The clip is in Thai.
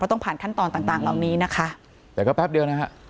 ต้องผ่านขั้นตอนต่างต่างเหล่านี้นะคะแต่ก็แป๊บเดียวนะฮะ